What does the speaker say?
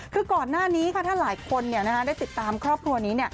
คือก่อนหน้านี้ค่ะถ้าหลายคนได้ติดตามครอบครัวนี้